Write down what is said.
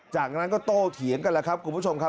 จากนั้นก็โตเถียงกันแล้วครับคุณผู้ชมครับ